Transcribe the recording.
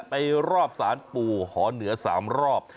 ไปรอบศาลปู่หอเหนือ๓รอบ